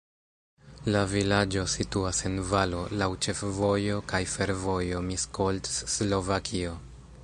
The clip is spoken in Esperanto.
La vilaĝo situas en valo, laŭ ĉefvojo kaj fervojo Miskolc-Slovakio.